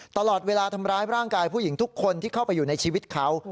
ตลอดเวลาทำร้ายร่างกายผู้หญิงทุกคนที่เข้าไปอยู่ในชีวิตเขา